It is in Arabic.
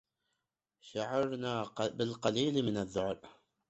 شعرنا بالقليل من الذعر.